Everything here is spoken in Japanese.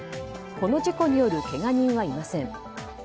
この事故によるけが人はいません。